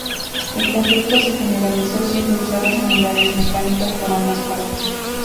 El conflicto se generalizó, siendo usadas unidades mecanizadas por ambas partes.